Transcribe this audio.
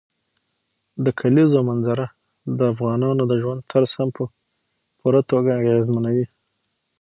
د کلیزو منظره د افغانانو د ژوند طرز هم په پوره توګه اغېزمنوي.